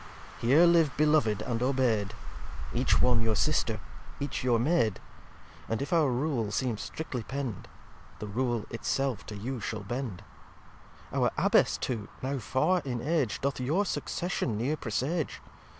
xx "Here live beloved, and obey'd: Each one your Sister, each your Maid. And, if our Rule seem strictly pend, The Rule it self to you shall bend. Our Abbess too, now far in Age, Doth your succession near presage.